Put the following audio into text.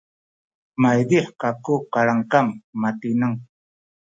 maydih kaku kalamkam matineng